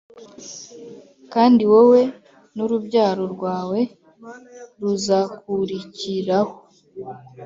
Kandi wowe n urubyaro rwawe ruzakurikiraho